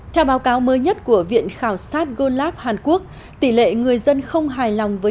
theo báo cáo mới nhất của viện khảo sát gold lab hàn quốc tỷ lệ người dân không hài lòng với